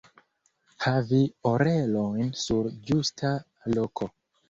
Havi orelojn sur ĝusta loko.